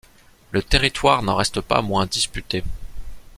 Le territoire n'en reste pas moins disputé.